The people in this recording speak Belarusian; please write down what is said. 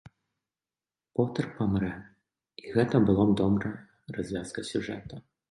Потэр памрэ, і гэта была б добрая развязка сюжэта.